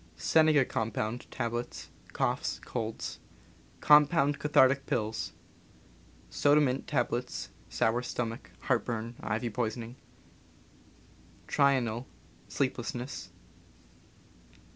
Senega compound, tablets — coughs, colds. Compound cathartic pills. Soda mint tablets — sour stomach, heartburn, ivy poisoning. Trional — sleeplessness.